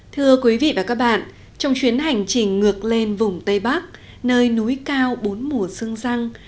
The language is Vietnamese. thưa quý vị và các bạn trong chuyến hành trình ngược lên vùng tây bắc nơi núi cao bốn mùa sương răng